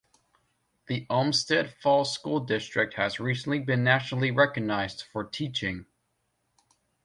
The Olmsted Falls School District has recently been nationally recognized for teaching.